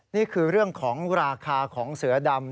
นี่คือเรื่องของราคาของเสือดำ